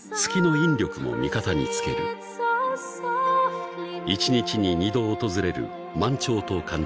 ［１日に２度訪れる満潮と干潮］